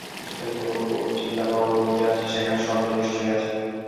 যেখানে কোন বোধ চেতনা বা অনুভূতি আছে, সেখানে শব্দ নিশ্চয়ই আছে।